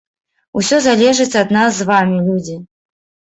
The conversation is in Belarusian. Усё залежыць ад нас з вамі, людзі.